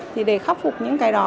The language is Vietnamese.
thì để khắc phục những cái đó